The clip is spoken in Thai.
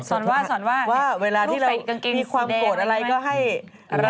สอนว่าลูกเฝ็ดกางเกงสี่แดงใช่ไหมนี่ไหมนะครับ